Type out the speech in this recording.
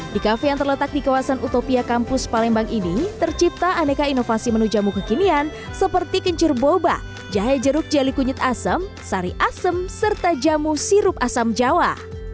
di kafe yang terletak di kawasan utopia kampus palembang ini tercipta aneka inovasi menu jamu kekinian seperti kencur boba jahe jeruk jeli kunyit asem sari asem serta jamu sirup asam jawa